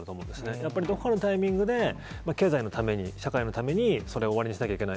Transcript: やっぱりどこかのタイミングで、経済のために、社会のために、それを終わりにしなきゃいけない。